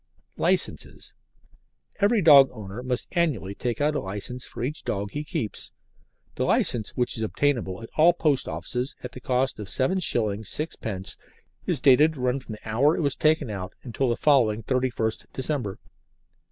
LICENCES Every dog owner must annually take out a licence for each dog he keeps. The licence, which is obtainable at all post offices at the cost of 7s. 6d., is dated to run from the hour it is taken out until the following 31st December.